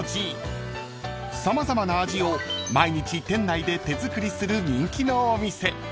［様々な味を毎日店内で手作りする人気のお店］